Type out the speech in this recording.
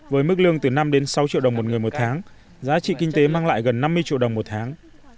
với mức lương từ năm đến sáu triệu đồng một người một tháng giá trị kinh tế mang lại gần năm mươi triệu đồng một tháng